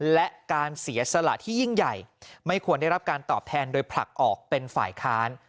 และการเสียสละที่ยิ่งใหญ่ไม่ควรได้รับการตอบแทนโดยผลักออกเป็นฝ่ายค้าน